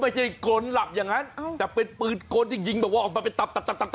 ไม่ใช่โกนหลับอย่างนั้นแต่เป็นปืนกลที่ยิงแบบว่าออกมาเป็นตับ